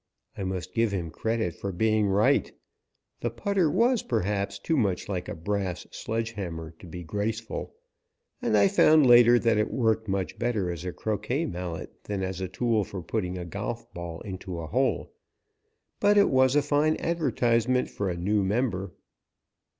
I must give him credit for being right. The putter was, perhaps, too much like a brass sledge hammer to be graceful, and I found later that it worked much better as a croquet mallet than as a tool for putting a golf ball into a hole, but it was fine advertisement for a new member.